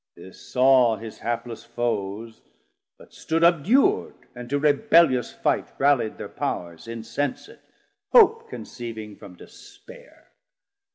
This saw his hapless Foes, but stood obdur'd, And to rebellious fight rallied thir Powers Insensate, hope conceiving from despair.